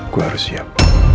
gue harus siap